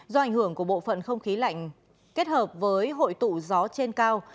do ảnh hưởng của bộ phận không khí lạnh kết hợp với hội tụ gió trên cao